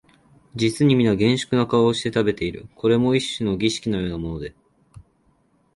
実にみな厳粛な顔をして食べている、これも一種の儀式のようなもので、